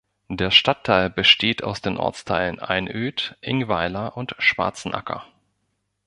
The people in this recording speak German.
Der Stadtteil besteht aus den Ortsteilen Einöd, Ingweiler und Schwarzenacker.